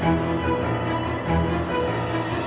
yang sepupu banget